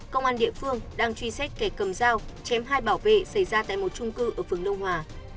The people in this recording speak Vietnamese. công an địa phương đang truy xét kẻ cầm dao chém hai bảo vệ xảy ra tại một trung cư ở phường đông hòa